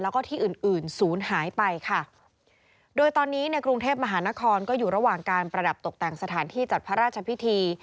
แล้วก็ที่อื่นอื่นศูนย์หายไปค่ะโดยตอนนี้ในกรุงเทพมหานครก็อยู่ระหว่างการประดับตกแต่งสถานที่จัดพระราชพิธี